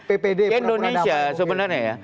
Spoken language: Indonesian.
ppd pernah peran apa ya